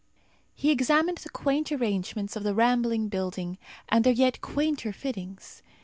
He examined the quaint arrangements of the rambling building, and their yet quainter fittings.